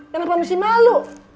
kenapa mesti malu